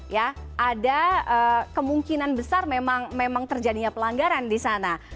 ya ada kemungkinan besar memang terjadinya pelanggaran di sana